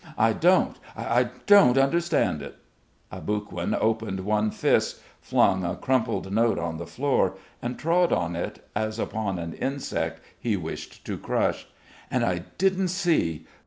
I don't ... I don't understand it!" Aboguin opened one fist, flung a crumpled note on the floor and trod on it, as upon an insect he wished to crush. "And I didn't see